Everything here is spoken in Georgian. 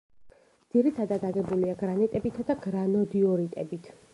ძირითადად აგებულია გრანიტებითა და გრანოდიორიტებით.